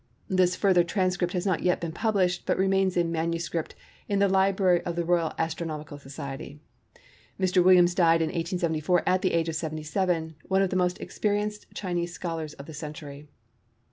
This further transcript has not yet been published, but remains in MS. in the Library of the Royal Astronomical Society. Mr. Williams died in 1874 at the age of 77, one of the most experienced Chinese scholars of the century.